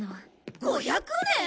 ５００年！？